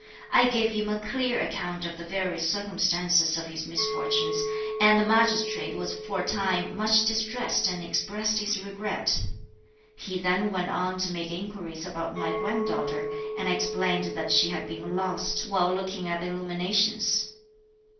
I gave him a clear account of the various circumstances (of his misfortunes), and the Magistrate was for a time much distressed and expressed his regret. He then went on to make inquiries about my grand daughter, and I explained that she had been lost, while looking at the illuminations.